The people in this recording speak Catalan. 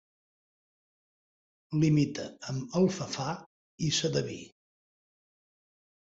Limita amb Alfafar i Sedaví.